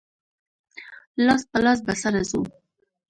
لاس په لاس به سره ځو.